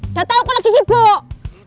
udah tau kok lagi sibuk